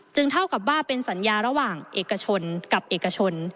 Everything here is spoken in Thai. เท่ากับว่าเป็นสัญญาระหว่างเอกชนกับเอกชน